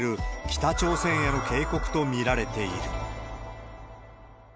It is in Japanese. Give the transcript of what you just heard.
北朝鮮への警告と見られている。